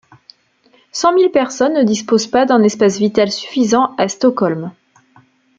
Cent mille personnes ne disposent pas d'un espace vital suffisant à Stockholm.